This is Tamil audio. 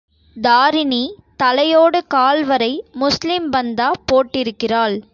தாரிணி தலையோடு கால்வரை முஸ்லீம் பந்தா போட்டிருக்கிறாள்.